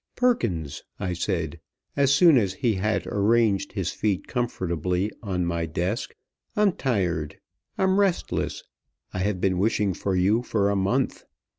"Perkins," I said, as soon as he had arranged his feet comfortably on my desk, "I'm tired. I'm restless. I have been wishing for you for a month.